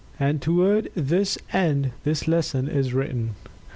And toward this end, this lesson is written.